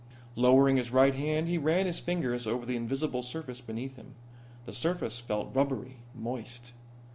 Lowering his right hand he ran his fingers over the invisible surface beneath him. The surface felt rubbery, moist.